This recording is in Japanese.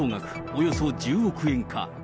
およそ１０億円か。